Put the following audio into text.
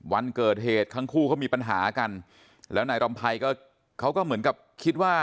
วันเกิดเหตุทั้งคู่เขามีปัญหากันแล้วนายรำไพรก็เขาก็เหมือนกับคิดว่า